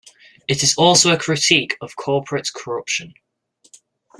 It is also a critique of corporate corruption.